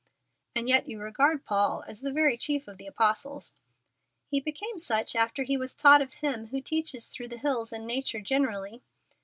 "And yet you regard Paul as the very chief of the apostles." "He became such after he was taught of Him who teaches through the hills and nature generally."